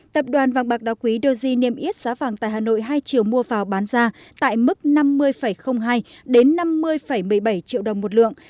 tập đoàn vàng bạc đá quý doji niêm yết giá vàng tại hà nội hai triệu mua vào bán ra tại mức năm mươi hai đến năm mươi một mươi bảy triệu đồng một lượng